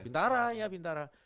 bintara ya bintara